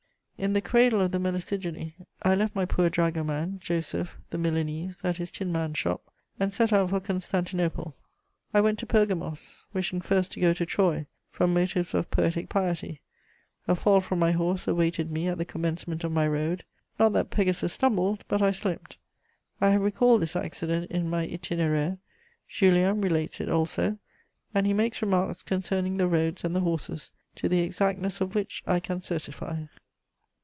In the cradle of Melesigene I left my poor dragoman, Joseph, the Milanese, at his tinman's shop, and set out for Constantinople. I went to Pergamos, wishing first to go to Troy, from motives of poetic piety; a fall from my horse awaited me at the commencement of my road; not that Pegasus stumbled, but I slept. I have recalled this accident in my Itinéraire; Julien relates it also, and he makes remarks concerning the roads and the horses to the exactness of which I can certify.